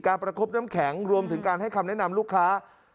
ประคบน้ำแข็งรวมถึงการให้คำแนะนำลูกค้า